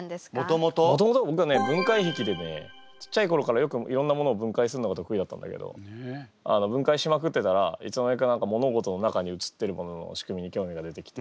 もともとぼくはね分解癖でねちっちゃい頃からよくいろんなものを分解するのが得意だったんだけど分解しまくってたらいつの間にか物事の中にうつってるものの仕組みに興味が出てきて。